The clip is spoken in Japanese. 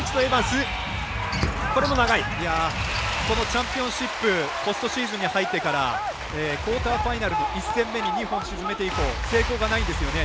チャンピオンシップポストシーズンに入ってからクオーターファイナルの１戦に２本沈めて以降成功がないんですよね。